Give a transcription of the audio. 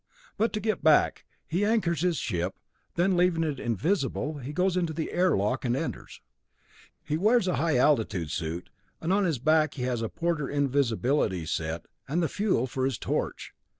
"But to get back, he anchors his ship, then, leaving it invisible, he goes to the air lock, and enters. He wears a high altitude suit, and on his back he has a portable invisibility set and the fuel for his torch.